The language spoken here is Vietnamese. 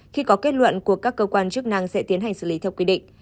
khi có kết luận của các cơ quan chức năng sẽ tiến hành xử lý theo quy định